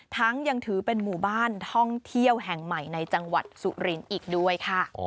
ยังถือเป็นหมู่บ้านท่องเที่ยวแห่งใหม่ในจังหวัดสุรินทร์อีกด้วยค่ะ